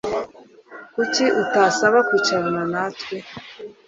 Kuki utasaba kwicarana natwe